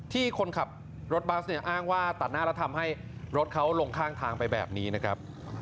คนขับรถบัสเนี่ยอ้างว่าตัดหน้าแล้วทำให้รถเขาลงข้างทางไปแบบนี้นะครับ